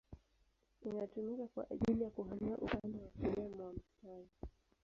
Inatumika kwa ajili ya kuhamia upande wa kulia mwa mstari.